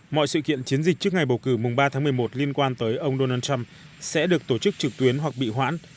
mọi sự kiện chiến dịch trước ngày bầu cử mùng ba tháng một mươi một liên quan tới ông donald trump sẽ được tổ chức trực tuyến hoặc bị hoãn